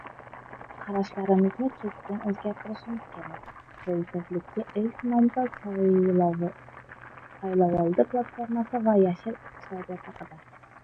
«Qarashlarimizni keskin o‘zgartirishimiz kerak» - Prezidentlikka ilk nomzod saylovoldi platformasi va «yashil iqtisodiyot» haqida